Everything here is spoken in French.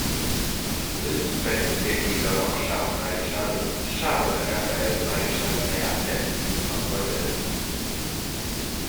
Fils du peintre verrier Laurent-Charles Maréchal, Charles-Raphaël Maréchal naît à Metz en Moselle.